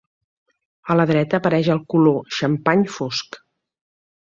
A la dreta apareix el color xampany fosc.